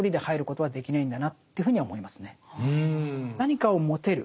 何かを持てる